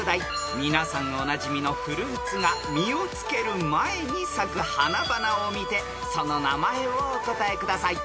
［皆さんおなじみのフルーツが実をつける前に咲く花々を見てその名前をお答えください］